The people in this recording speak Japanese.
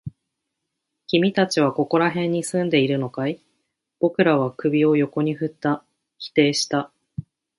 君たちはここら辺に住んでいるのかい？僕らは首を横に振った。否定した。